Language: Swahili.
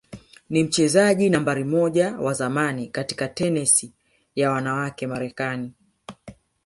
ni mchezaji nambari moja wa zamani katika tenisi ya wanawake Marekani